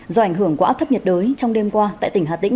do ảnh hưởng quá thấp nhật đới trong đêm qua tại tỉnh hà tĩnh